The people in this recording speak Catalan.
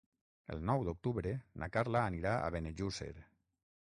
El nou d'octubre na Carla anirà a Benejússer.